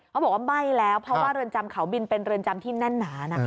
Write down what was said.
บอกว่าไหม้แล้วเพราะว่าเรือนจำเขาบินเป็นเรือนจำที่แน่นหนานะคะ